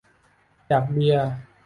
อยากเบียร์